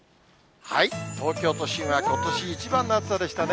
東京都心はことし一番の暑さでしたね。